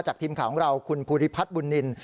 จากทีมขาของเราขุนผุริพัฒน์บุนนิน